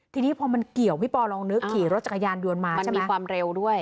ทีนี้พอมันเกี่ยวพี่ปอลองนึกขี่รถจักรยานยนต์มามันมีความเร็วด้วย